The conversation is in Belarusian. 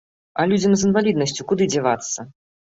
А людзям з інваліднасцю куды дзявацца?